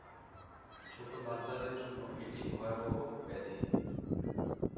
ছোট বাচ্চাদের জন্য এটি ভয়াবহ ব্যাধি।